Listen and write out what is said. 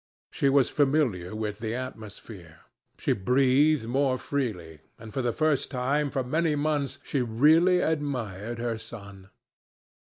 She was familiar with the atmosphere. She breathed more freely, and for the first time for many months she really admired her son.